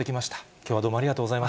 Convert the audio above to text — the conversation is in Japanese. きょうはどうもありがとうござい